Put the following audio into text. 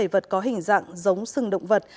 bảy vật có hình dạng giống sừng động vật